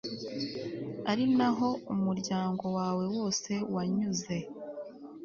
ari na ho umuryango wawe wose wanyuze